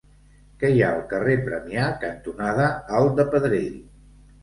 Què hi ha al carrer Premià cantonada Alt de Pedrell?